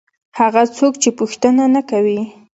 هغه څوک چې پوښتنه نه کوي.